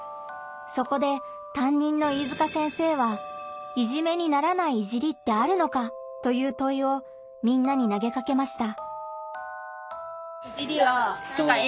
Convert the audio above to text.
そこでたんにんの飯塚先生は「“いじめ”にならない“いじり”ってあるのか？」というといをみんなに投げかけました。